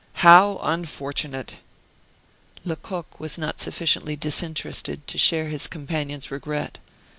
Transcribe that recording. How unfortunate!" Lecoq was not sufficiently disinterested to share his companion's regret.